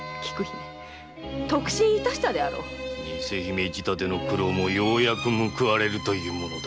偽姫仕立ての苦労もようやく報われるというものだ。